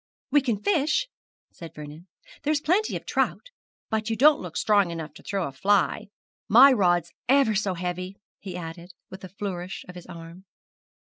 'We can fish,' said Vernon; 'there's plenty of trout; but you don't look strong enough to throw a fly. My rod's ever so heavy,' he added, with a flourish of his arm.